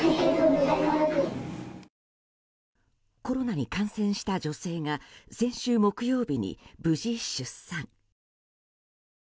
コロナに感染した女性が先週木曜日に無事出産。